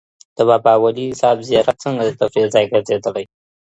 د بابا ولي صاحب زیارت څنګه د تفریح ځای ګرځېدلی؟